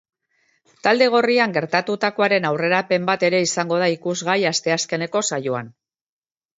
Talde gorrian gertatutakoaren aurrerapen bat ere izango da ikusgai asteazkeneko saioan.